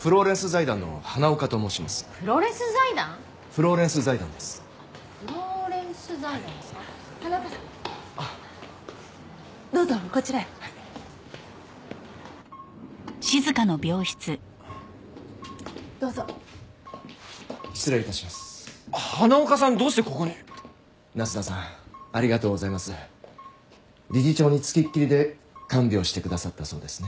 理事長に付きっきりで看病してくださったそうですね。